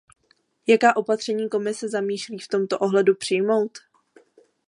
Jaká opatření Komise zamýšlí v tomto ohledu přijmout?